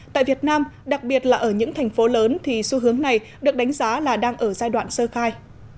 tại việt nam đặc biệt là ở những thành phố lớn thì xu hướng này được đánh giá là đang ở giai đoạn sơ khai